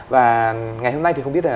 và ngày hôm nay thì không biết